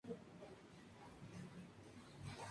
Es el único kana cuyo sonido termina en consonante.